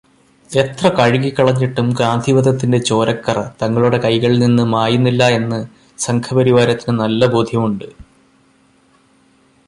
എത്ര കഴുകിക്കളഞ്ഞിട്ടും ഗാന്ധിവധത്തിന്റെ ചോരക്കറ തങ്ങളുടെ കൈകളിൽ നിന്ന് മായുന്നില്ല എന്ന് സംഘപരിവാരത്തിന് നല്ല ബോധ്യമുണ്ട്.